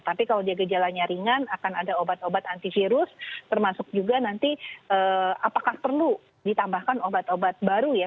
tapi kalau dia gejalanya ringan akan ada obat obat antivirus termasuk juga nanti apakah perlu ditambahkan obat obat baru ya